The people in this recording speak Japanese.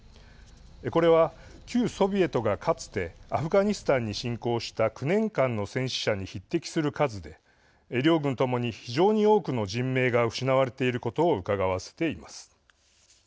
これは旧ソビエトがかつてアフガニスタンに侵攻した９年間の戦死者に匹敵する数で両軍ともに、非常に多くの人命が失われていることをうかがわせています。